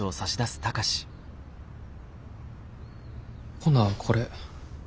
ほなこれ。